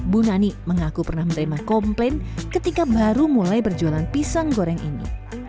bu nani mengaku pernah menerima komplain ketika baru mulai berjualan pisang goreng ini